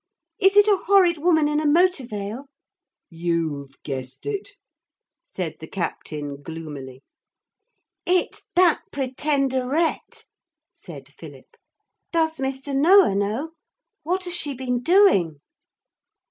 Is it a horrid woman in a motor veil?' 'You've guessed it,' said the captain gloomily. 'It's that Pretenderette,' said Philip. 'Does Mr. Noah know? What has she been doing?'